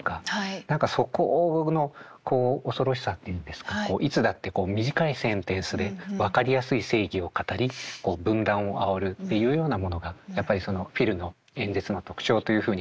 何かそこのこう恐ろしさっていうんですかいつだってこう短いセンテンスで分かりやすい正義を語り分断をあおるっていうようなものがやっぱりそのフィルの演説の特徴というふうに書かれているんですが。